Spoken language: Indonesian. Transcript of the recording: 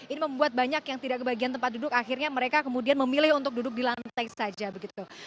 ini membuat banyak yang tidak kebagian tempat duduk akhirnya mereka kemudian memilih untuk duduk di lantai saja begitu